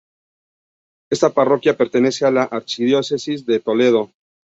Esta Parroquia pertenece a la archidiócesis de Toledo.